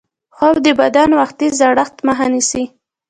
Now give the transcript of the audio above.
خوب د بدن وختي زړښت مخه نیسي